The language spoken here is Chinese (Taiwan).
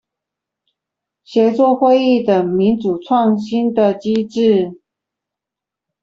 協作會議等民主創新的機制